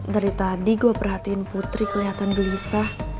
dari tadi gue perhatiin putri kelihatan gelisah